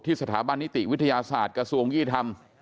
สถาบันนิติวิทยาศาสตร์กระทรวงยุติธรรม